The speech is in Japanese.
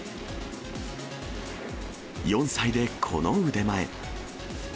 ４歳でこの腕前。